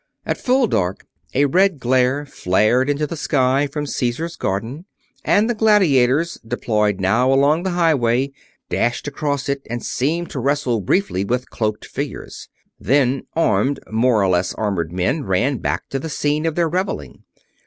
At full dark, a red glare flared into the sky from Caesar's garden and the gladiators, deployed now along the highway, dashed across it and seemed to wrestle briefly with cloaked figures. Then armed, more or less armored men ran back to the scene of their reveling.